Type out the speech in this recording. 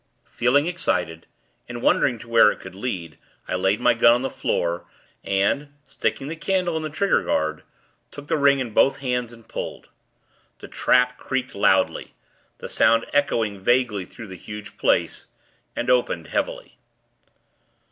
Feeling excited, and wondering to where it could lead, I laid my gun on the floor, and, sticking the candle in the trigger guard, took the ring in both hands, and pulled. The trap creaked loudly the sound echoing, vaguely, through the huge place and opened, heavily.